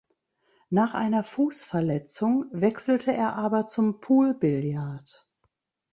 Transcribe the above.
Nach einer Fußverletzung wechselte er aber zum Poolbillard.